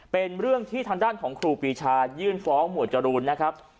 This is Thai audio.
เป็นเรื่องที่ทางด้านของครูปีชายื่นฟ้องหมวดจรูนนะครับ